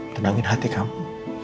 tenangin hati kamu